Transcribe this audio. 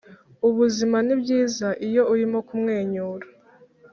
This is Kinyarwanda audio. ubuzima nibyiza iyo urimo kumwenyura.